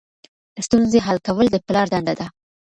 ستونزې حل کول د پلار دنده ده.